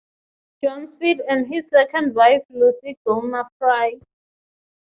John Speed and his second wife Lucy Gilmer Fry.